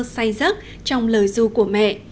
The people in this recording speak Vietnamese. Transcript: say rớt trong lời ru của mẹ